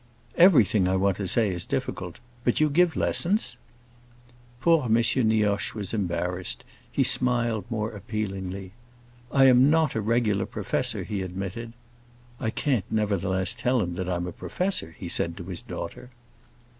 "Everything I want to say is difficult. But you give lessons?" Poor M. Nioche was embarrassed; he smiled more appealingly. "I am not a regular professor," he admitted. "I can't nevertheless tell him that I'm a professor," he said to his daughter.